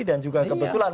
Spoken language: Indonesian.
dan juga kebetulan